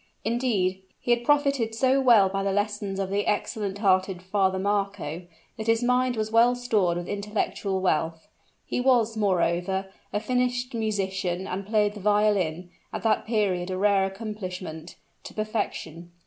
Indeed, he had profited so well by the lessons of the excellent hearted Father Marco, that his mind was well stored with intellectual wealth. He was, moreover, a finished musician, and played the violin, at that period a rare accomplishment, to perfection.